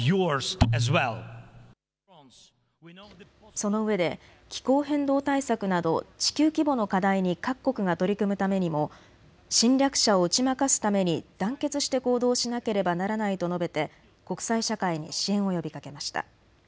そのうえで気候変動対策など地球規模の課題に各国が取り組むためにも侵略者を打ち負かすために団結して行動しなければならないと述べて国際社会に支援を呼びかけました。